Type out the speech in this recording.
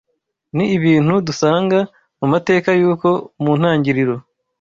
Ni ibintu dusanga mu mateka yuko mu ntangiriro